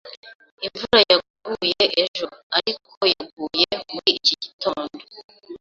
Imvura yaguye ejo, ariko yaguye muri iki gitondo.